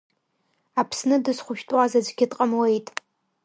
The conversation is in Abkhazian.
Аԥсны дызхәышәтәуаз аӡәгьы дҟамлет.